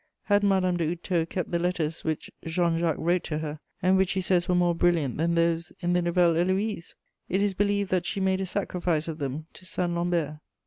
Had Madame de Houdetot kept the letters which Jean Jacques wrote to her, and which he says were more brilliant than those in the Nouvelle Héloïse? It is believed that she made a sacrifice of them to Saint Lambert.